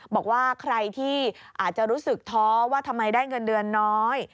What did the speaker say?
บอกว่าใครที่อาจจะรู้สึกท้อว่าทำไมได้เงินเดือนน้อย